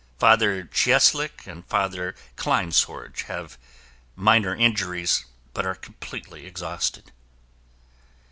Father Cieslik and Father Kleinsorge have minor injuries but are completely exhausted.